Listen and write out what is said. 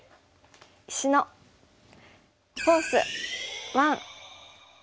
「石のフォース１」。